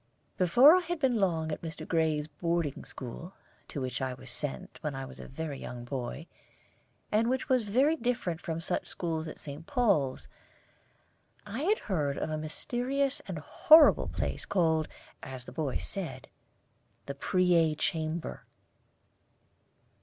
Before I had been long at Mr. Gray's boarding school, to which I was sent when I was a very young boy, and which was very different from such schools as St. Paul's, I heard of a mysterious and horrible place called, as the boys said, the Preay Chamber.